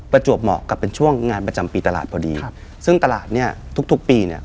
ประจวบเหมาะกับเป็นช่วงงานประจำปีตลาดพอดีครับซึ่งตลาดเนี้ยทุกทุกปีเนี่ย